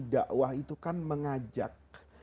dakwah itu kan mengajak